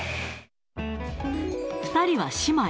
２人は姉妹。